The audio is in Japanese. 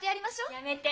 やめて！